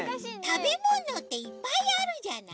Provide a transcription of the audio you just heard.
たべものっていっぱいあるじゃない？